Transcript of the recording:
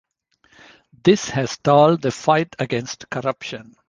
This has stalled the fight against corruption.